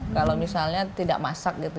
kalau misalnya tidak masak gitu